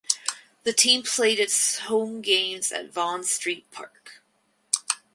The team played its home games at Vaughn Street Park.